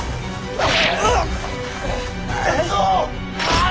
あっ！